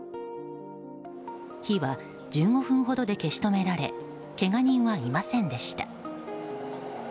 火は１５分ほどで消し止められけが人はいませんでした。